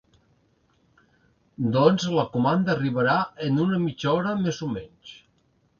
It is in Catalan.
Doncs la comanda arribarà en una mitja hora més o menys.